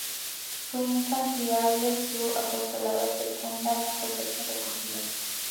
Fue infatigable su apostolado y fecunda la cosecha recogida.